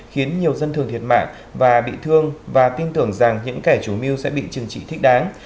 khiến nhiều dân thường thiệt mạng và bị thương và tin tưởng rằng những kẻ chủ mưu sẽ bị trừng trị thích đáng